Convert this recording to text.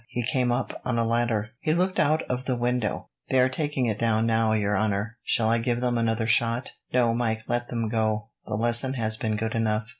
He came up on a ladder." He looked out of the window. "They are taking it down now, your honour. Shall I give them another shot?" "No, Mike; let them go. The lesson has been good enough."